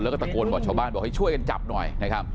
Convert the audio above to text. และตะโกนป่าชาวบ้านบอกให้ช่วยกันจับหน่อย